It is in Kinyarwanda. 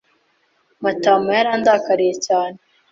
Matama yarandakariye cyane.